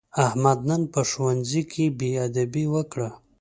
احمد نن په ښوونځي کې بېادبي وکړه.